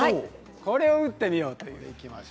これを打ってみようと思います。